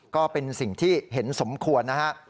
ก็เป็นสิ่งที่เห็นสมควรนะฮะ